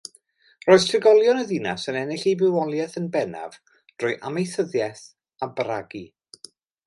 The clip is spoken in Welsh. Roedd trigolion y ddinas yn ennill eu bywoliaeth yn bennaf drwy amaethyddiaeth a bragu.